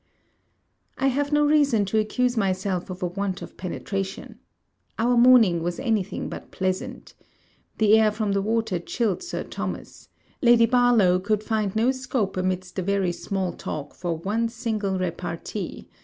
I have no reason to accuse myself of a want of penetration. Our morning was any thing but pleasant. The air from the water chilled Sir Thomas. Lady Barlowe could find no scope amidst the very small talk for one single repartee.